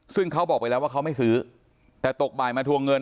ซึ่งเขาบอกไปแล้วว่าเขาไม่ซื้อแต่ตกบ่ายมาทวงเงิน